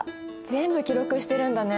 全部記録してるんだね。